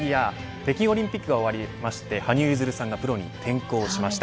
北京オリンピックが終わりまして羽生結弦さんがプロに転向しました。